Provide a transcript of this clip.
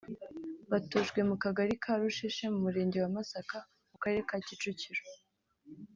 batujwe mu Kagari ka Rusheshe mu Murenge wa Masaka mu Karere ka Kicukiro